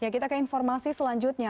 kita ke informasi selanjutnya